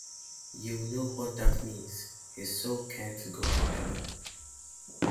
You know what that means; his soul can't go to heaven.